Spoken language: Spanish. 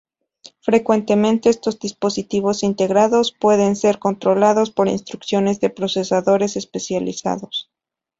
Frecuentemente, estos dispositivos integrados pueden ser controlados por instrucciones de procesadores especializados.